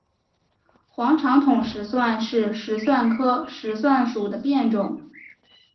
黄长筒石蒜是石蒜科石蒜属的变种。